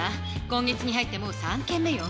今月に入ってもう３件目よ。